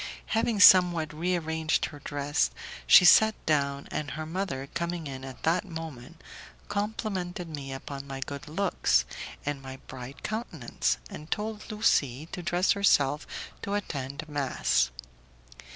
Having somewhat rearranged her dress she sat down, and her mother, coming in at that moment, complimented me upon my good looks and my bright countenance, and told Lucie to dress herself to attend mass.